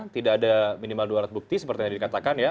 tidak ada minimal dua alat bukti seperti yang dikatakan ya